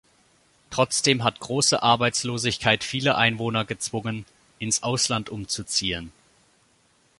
Trotzdem hat große Arbeitslosigkeit viele Einwohner gezwungen, ins Ausland umzuziehen.